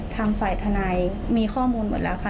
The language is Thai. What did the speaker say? ทางฝ่ายทนายมีข้อมูลหมดแล้วค่ะ